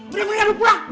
udah muli aduh pulang